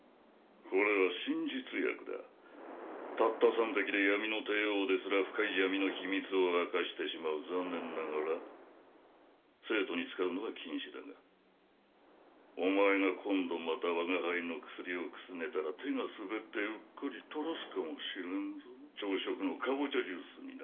これは真実薬だたった３滴で闇の帝王ですら深い闇の秘密を明かしてしまう残念ながら生徒に使うのは禁止だがお前が今度また我が輩の薬をくすねたら手が滑ってうっかり垂らすかもしれんぞ朝食のかぼちゃジュースにな